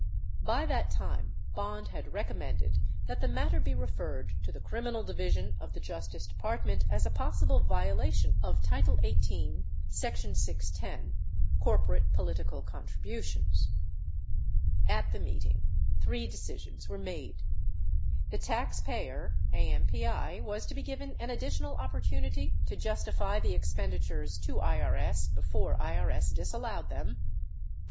By that time, Bond had recommended that the matter be referred to the Criminal Division of the Justice Depart ment as a possible violation of title 18, section 610 (corporate political contributions) . At the meeting, three decisions were made : the tax payer (AMPI) was to be given an additional opportunity to justify the expenditures to IRS (before IRS disallowed them) ; the matter 82 Jacobsen, 15 Hearings 6470.